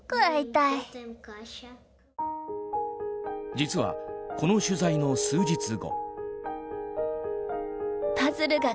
実は、この取材の数日後。